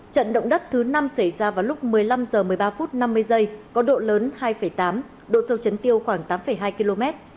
trận động đất thứ năm xảy ra vào lúc một mươi năm h một mươi ba phút năm mươi giây có độ lớn hai tám độ sâu chấn tiêu khoảng tám hai km